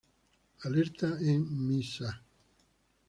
Alerta en misa